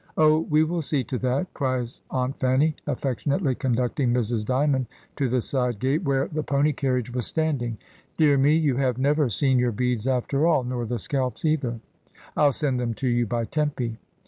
"Oh! we will see to that," cries Aunt Fanny, affectionately conducting Mrs. D)rmond to the side gate where the pony carriage was standing. "Dear me, you have never seen your beads after all, nor the scalps either. Fll send them to you by Tempy."